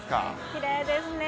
きれいですね。